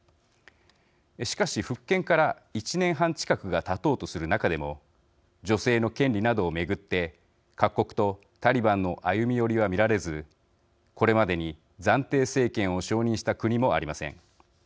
しかし、復権から１年半近くがたとうとする中でも女性の権利などを巡って各国とタリバンの歩み寄りは見られずこれまでに暫定政権を承認した国もありません。